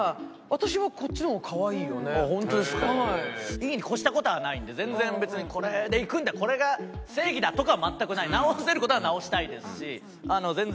いいに越した事はないんで全然別にこれでいくんだこれが正義だ！とかは全くない直せる事は直したいですし全然。